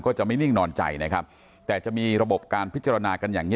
ก็จะไม่นิ่งนอนใจนะครับแต่จะมีระบบการพิจารณากันอย่างเง